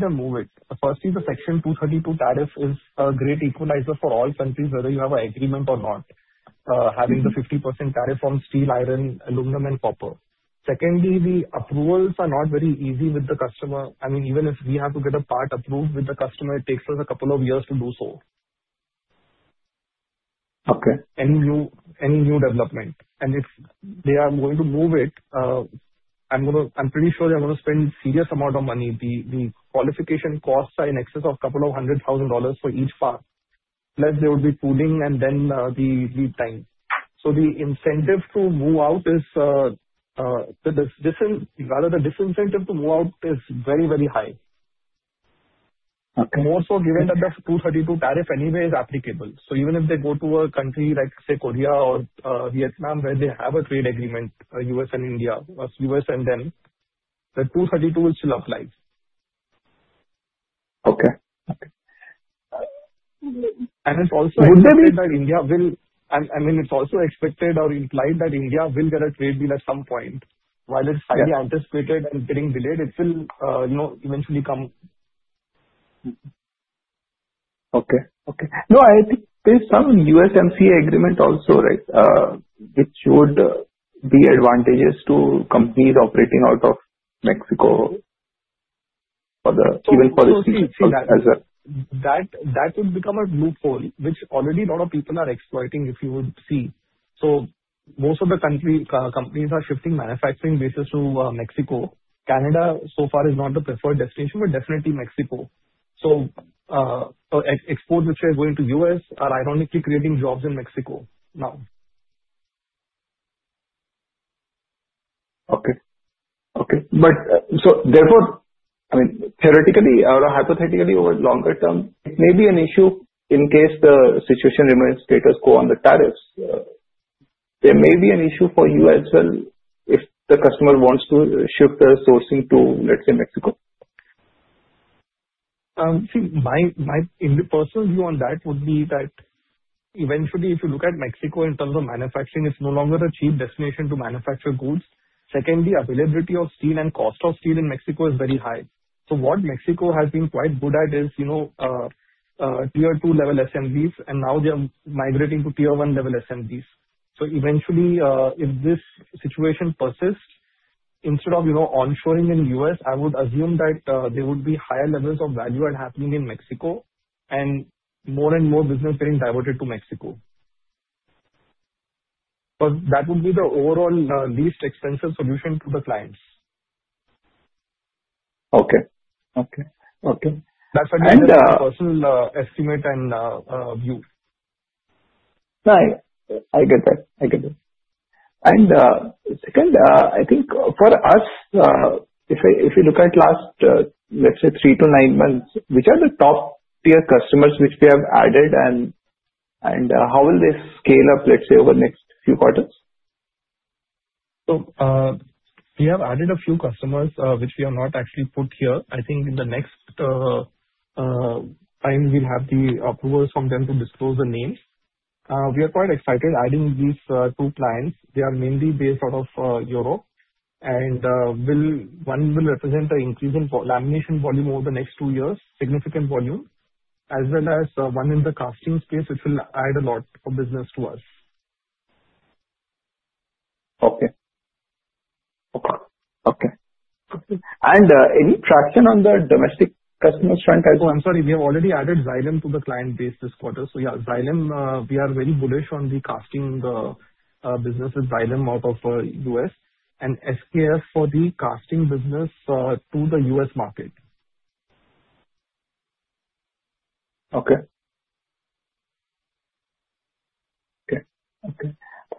they move it. Firstly, the Section 232 tariff is a great equalizer for all countries, whether you have an agreement or not, having the 50% tariff on steel, iron, aluminum, and copper. Secondly, the approvals are not very easy with the customer. I mean, even if we have to get a part approved with the customer, it takes us a couple of years to do so. Okay. Any new development. And if they are going to move it, I'm pretty sure they're going to spend a serious amount of money. The qualification costs are in excess of $200,000 for each part, plus there would be tooling and then the lead time. So the incentive to move out is rather the disincentive to move out is very, very high. Okay. More so given that the Section 232 tariff anyway is applicable. So even if they go to a country like, say, Korea or Vietnam, where they have a trade agreement, U.S. and India, U.S. and them, the Section 232 will still apply. Okay. Okay. It's also expected that India will, I mean, it's also expected or implied that India will get a trade deal at some point. While it's highly anticipated and getting delayed, it will eventually come. Okay. No, I think there's some USMCA agreement also, right, which would be advantageous to companies operating out of Mexico even for the as well. That would become a loophole, which already a lot of people are exploiting, if you would see. So most of the companies are shifting manufacturing bases to Mexico. Canada, so far, is not the preferred destination, but definitely Mexico. So exports, which are going to U.S., are ironically creating jobs in Mexico now. Okay. Okay. But so therefore, I mean, theoretically or hypothetically over longer term, it may be an issue in case the situation remains status quo on the tariffs. There may be an issue for you as well if the customer wants to shift the sourcing to, let's say, Mexico. See, my personal view on that would be that eventually, if you look at Mexico in terms of manufacturing, it's no longer a cheap destination to manufacture goods. Secondly, availability of steel and cost of steel in Mexico is very high. So what Mexico has been quite good at is tier two level assemblies, and now they're migrating to tier one level assemblies. So eventually, if this situation persists, instead of onshoring in the U.S., I would assume that there would be higher levels of value add happening in Mexico and more and more business being diverted to Mexico. But that would be the overall least expensive solution to the clients. Okay. That's a personal estimate and view. No, I get that. I get that. And second, I think for us, if you look at last, let's say, three to nine months, which are the top-tier customers which we have added, and how will they scale up, let's say, over the next few quarters? So, we have added a few customers which we have not actually put here. I think in the next time, we'll have the approvals from them to disclose the names. We are quite excited adding these two clients. They are mainly based out of Europe. And one will represent an increase in lamination volume over the next two years, significant volume, as well as one in the casting space, which will add a lot of business to us. Okay. And any traction on the domestic customers' front? Oh, I'm sorry. We have already added Xylem to the client base this quarter. So yeah, Xylem, we are very bullish on the casting business with Xylem out of the U.S. and SKF for the casting business to the U.S. market.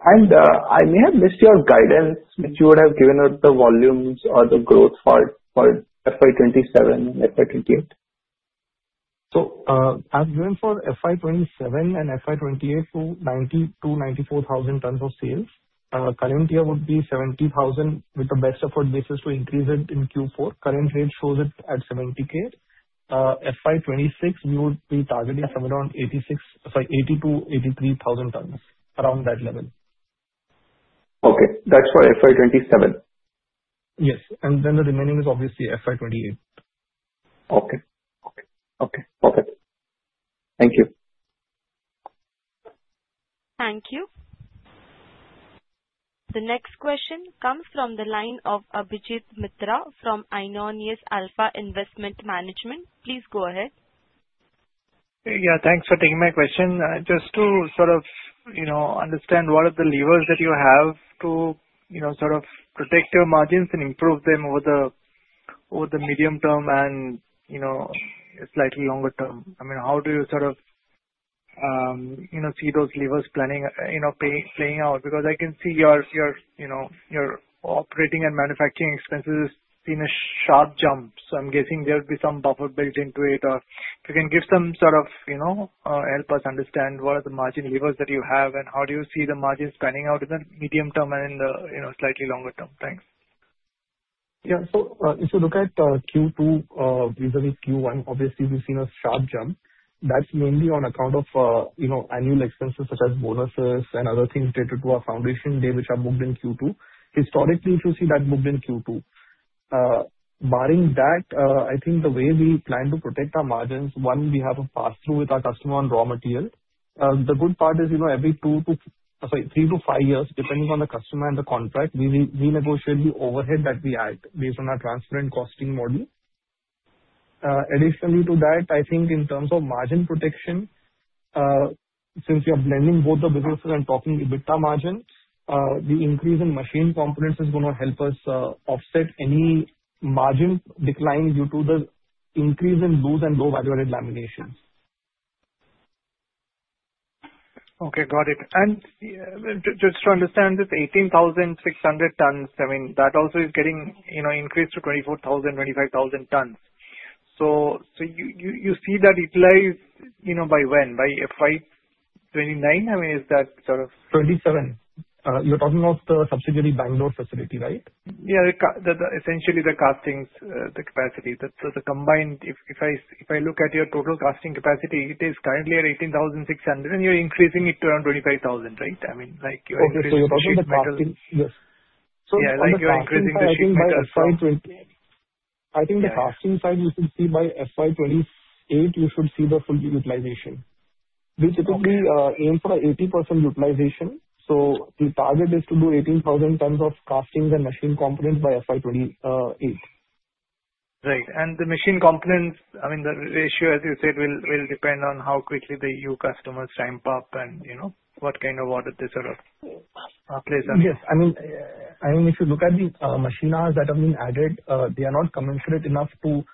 And I may have missed your guidance, which you would have given out the volumes or the growth for FY 2027 and FY 2028. So, I'm going for FY 2027 and FY 2028 to 94,000 tons of sales. Current year would be 70,000 tons with the best effort basis to increase it in Q4. Current rate shows it at 70K. FY 2026, we would be targeting somewhere around 86,000 tons, sorry, 83,000 tons, around that level. Okay. That's for FY 2027. Yes, and then the remaining is obviously FY 2028. Okay. Thank you. Thank you. The next question comes from the line of Abhijit Mitra from Aionios Alpha Investment Management. Please go ahead. Yeah. Thanks for taking my question. Just to sort of understand what are the levers that you have to sort of protect your margins and improve them over the medium term and slightly longer term. I mean, how do you sort of see those levers playing out? Because I can see your operating and manufacturing expenses have seen a sharp jump. So I'm guessing there would be some buffer built into it. If you can give some sort of help us understand what are the margin levers that you have and how do you see the margins panning out in the medium term and in the slightly longer term. Thanks. Yeah. So if you look at Q2 versus Q1, obviously, we've seen a sharp jump. That's mainly on account of annual expenses such as bonuses and other things related to our foundation day, which are booked in Q2. Historically, we should see that booked in Q2. Barring that, I think the way we plan to protect our margins, one, we have a pass-through with our customer on raw material. The good part is every two to, sorry, three to five years, depending on the customer and the contract, we renegotiate the overhead that we add based on our transparent costing model. Additionally to that, I think in terms of margin protection, since we are blending both the businesses and talking EBITDA margins, the increase in machine components is going to help us offset any margin decline due to the increase in those and low-value-added laminations. Okay. Got it. And just to understand this, 18,600 tons, I mean, that also is getting increased to 24,000, 25,000 tons. So you see that utilized by when? By FY 2029? I mean, is that sort of. You're talking about the subsidiary Bangalore facility, right? Yeah. Essentially, the castings, the capacity. So the combined, if I look at your total casting capacity, it is currently at 18,600, and you're increasing it to around 25,000, right? I mean, like you're increasing the casting. Okay. So you're talking the casting. Yes. So yeah, like you're increasing the shipment. I think the casting side, you should see by FY 2028, you should see the full utilization. We typically aim for an 80% utilization. So the target is to do 18,000 tons of castings and machine components by FY 2028. Right, and the machine components, I mean, the ratio, as you said, will depend on how quickly the new customers ramp up and what kind of order they sort of place on it. Yes. I mean, if you look at the machine hours that have been added, they are not commensurate enough to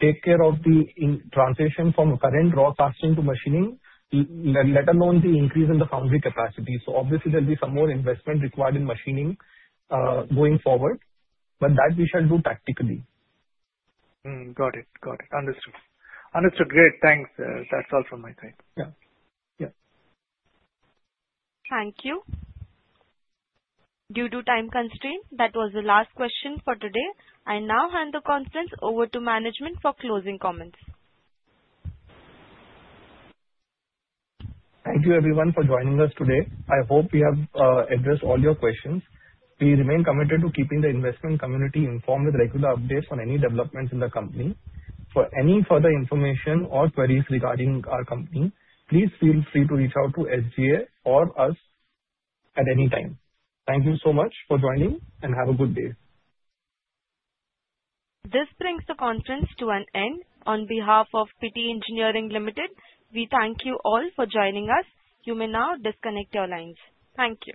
take care of the transition from current raw casting to machining, let alone the increase in the foundry capacity. So obviously, there'll be some more investment required in machining going forward, but that we shall do tactically. Got it. Got it. Understood. Understood. Great. Thanks. That's all from my side. Yeah. Yeah. Thank you. Due to time constraint, that was the last question for today. I now hand the conference over to management for closing comments. Thank you, everyone, for joining us today. I hope we have addressed all your questions. We remain committed to keeping the investment community informed with regular updates on any developments in the company. For any further information or queries regarding our company, please feel free to reach out to SGA or us at any time. Thank you so much for joining, and have a good day. This brings the conference to an end. On behalf of Pitti Engineering Ltd, we thank you all for joining us. You may now disconnect your lines. Thank you.